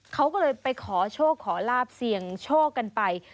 เขาก็เลยไปขอโชคขอลาบเสี่ยงโชคกันไป